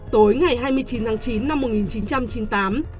tối ngày hai mươi chín tháng chín năm một nghìn chín trăm chín mươi tám